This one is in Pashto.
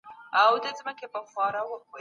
تل د خپل هېواد سياسي ثبات ته لومړيتوب ورکړئ.